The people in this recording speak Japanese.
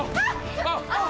あっ！